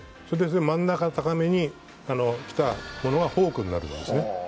真ん中高めに来たものはフォークになるんですね。